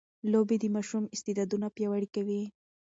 لوبې د ماشوم استعدادونه پياوړي کوي.